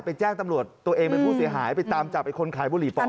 แจ้งตำรวจตัวเองเป็นผู้เสียหายไปตามจับไอ้คนขายบุหรี่ปลอม